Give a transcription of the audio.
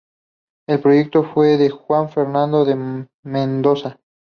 El proyecto fue de Juan Fernando de Mendoza.